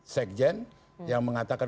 sekjen yang mengatakan